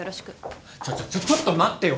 ちょちょちょちょっと待ってよ。